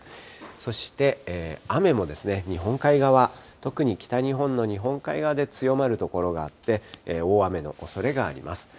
そして雨も日本海側、特に北日本の日本海側で強まる所があって、大雨のおそれがあります。